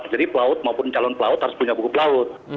jadi pelaut maupun calon pelaut harus punya buku pelaut